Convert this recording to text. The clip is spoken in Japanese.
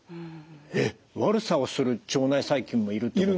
えっ悪さをする腸内細菌もいるってこと？